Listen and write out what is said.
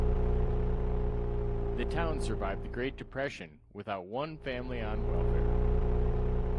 The town survived the Great Depression without one family on welfare.